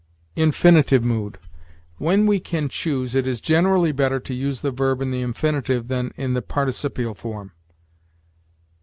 INFINITIVE MOOD. When we can choose, it is generally better to use the verb in the infinitive than in the participial form.